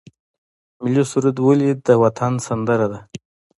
ملي سرود ولې د وطن سندره ده؟